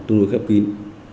tương đối khép kín